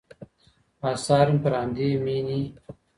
آثار مې پر همدې مینې